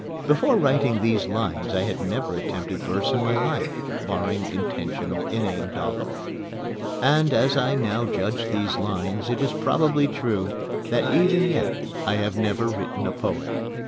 Before writing these lines I had never attempted verse in my life barring intentionally inane doggerel. And, as I now judge these lines, it is probably true that even yet I have never written a poem.